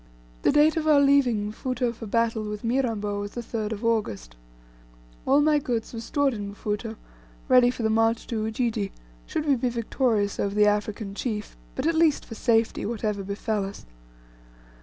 The date of our leaving Mfuto for battle with Mirambo was the 3rd of August. All my goods were stored in Mfuto, ready for the march to Ujiji, should we be victorious over the African chief, but at least for safety, whatever befel us.